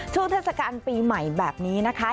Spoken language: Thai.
เทศกาลปีใหม่แบบนี้นะคะ